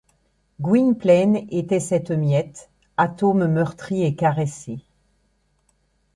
Gwynplaine était cette miette, atome meurtri et caressé.